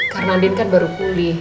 karena adin kan baru pulih